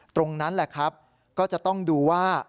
ตรงนั้นแหละครับก็จะต้องดูว่า